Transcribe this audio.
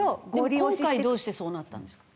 今回どうしてそうなったんですか？